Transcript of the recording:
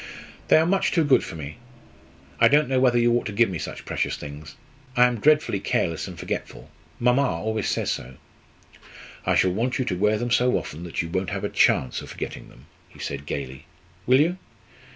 "They are much too good for me. I don't know whether you ought to give me such precious things. I am dreadfully careless and forgetful. Mamma always says so." "I shall want you to wear them so often that you won't have a chance of forgetting them," he said gaily. "Will you?